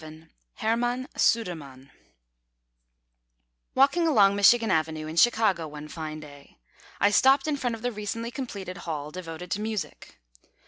VII HERMANN SUDERMANN Walking along Michigan Avenue in Chicago one fine day, I stopped in front of the recently completed hall devoted to music.